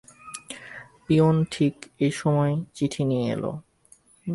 Peon ঠিক এই সময় চিঠি নিয়ে এল।